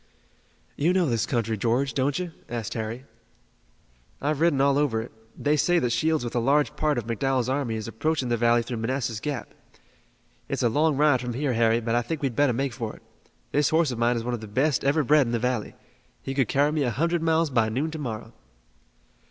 "You know this country, George, don't you?" asked Harry. "I've ridden over all of it. They say that Shields with a large part of McDowell's army is approaching the valley through Manassas Gap. It's a long ride from here, Harry, but I think we'd better make for it. This horse of mine is one of the best ever bred in the valley. He could carry me a hundred miles by noon to morrow."